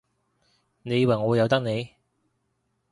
你以為我會由得你？